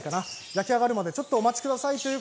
焼き上がるまでちょっとお待ちください。